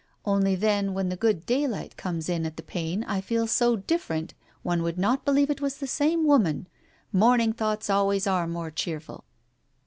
Only then when the good daylight comes in at the pane I feel so different, one would not believe it was the same woman. Morning thoughts always are more cheerful.